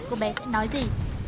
cô bé sẽ nói gì